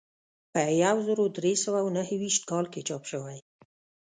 په یو زر درې سوه نهه ویشت کال کې چاپ شوی.